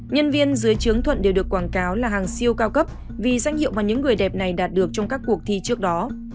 nhân viên dưới trướng thuận đều được quảng cáo là hàng siêu cao cấp vì danh hiệu mà những người đẹp này đạt được trong các cuộc thi trước đó